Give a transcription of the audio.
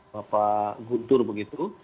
bapak guntur begitu